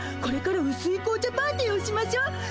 これからうすい紅茶パーティーをしましょう。